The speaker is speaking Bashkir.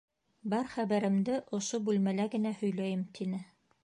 Бар хәбәремде ошо бүлмәлә генә һөйләйем, тине.